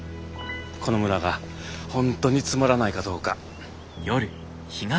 この村が本当につまらないかどうか。